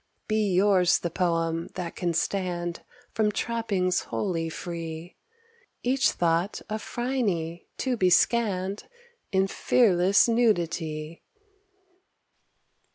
Be yours the poem that can stand From trappings wholly free, Each thought a Phryne, to be scanned In fearless nudity.